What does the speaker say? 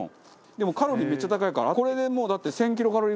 でもカロリーめっちゃ高いから。